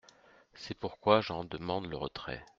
C’est pourquoi j’en demande le retrait.